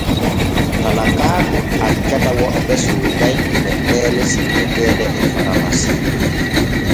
Talakaaku accata woɓɓe sooday leɗɗeele sippeteeɗe e faramasi.